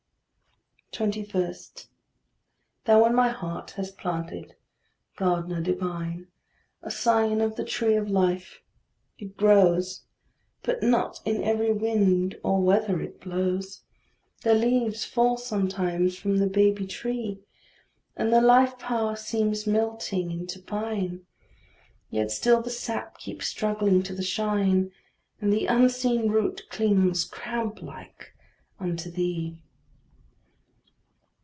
21. Thou in my heart hast planted, gardener divine, A scion of the tree of life: it grows; But not in every wind or weather it blows; The leaves fall sometimes from the baby tree, And the life power seems melting into pine; Yet still the sap keeps struggling to the shine, And the unseen root clings cramplike unto thee.